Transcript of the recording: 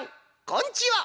こんちは！」。